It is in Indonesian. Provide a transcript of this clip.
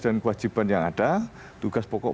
dan kewajiban yang ada tugas pokok